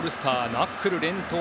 ナックル連投。